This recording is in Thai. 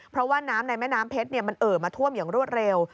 เพราะว่าน้ำในแม่น้ำเพชรมันเอ่อมาท่วมอย่างรวดเร็ว